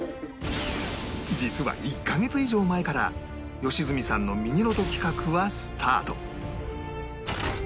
実は１カ月以上前から良純さんのミニロト企画はスタート